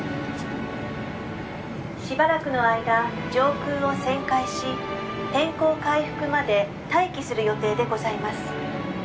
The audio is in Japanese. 「しばらくの間上空を旋回し天候回復まで待機する予定でございます」